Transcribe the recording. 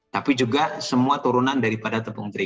tapi juga semua turunan daripada tepung terigu